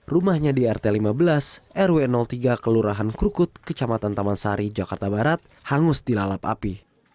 rumahnya di rt lima belas rw tiga kelurahan krukut kecamatan taman sari jakarta barat hangus dilalap api